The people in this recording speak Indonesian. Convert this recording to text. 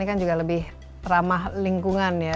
ini kan juga lebih ramah lingkungan ya